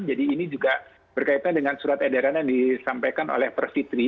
jadi ini juga berkaitan dengan surat edaran yang disampaikan oleh pak sitri